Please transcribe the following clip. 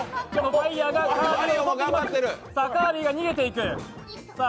カービィが逃げていく！